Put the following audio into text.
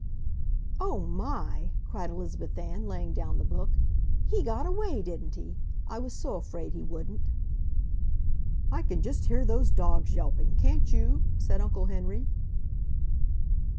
"Oh MY!" cried Elizabeth Ann, laying down the book. "He got away, didn't he? I was so afraid he wouldn't!" "I can just hear those dogs yelping, can't you?" said Uncle Henry.